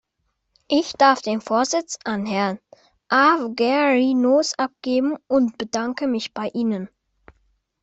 Ich darf den Vorsitz an Herrn Avgerinos abgeben und bedanke mich bei Ihnen.